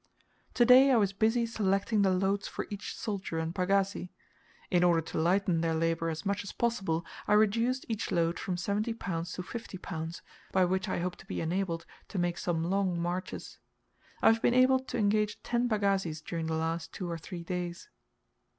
To day I was busy selecting the loads for each soldier and pagazi. In order to lighten their labor as much as possible, I reduced each load from 70 lbs. to 50 lbs., by which I hope to be enabled to make some long marches. I have been able to engage ten pagazis during the last two or three days.